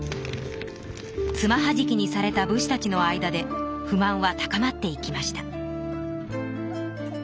つまはじきにされた武士たちの間で不満は高まっていきました。